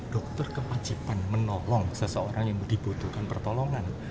dokter kewajiban menolong seseorang yang dibutuhkan pertolongan